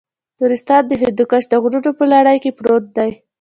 نورستان د هندوکش د غرونو په لړۍ کې پروت دی.